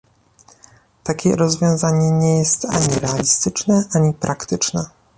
Takie rozwiązanie nie jest ani realistyczne, ani praktyczne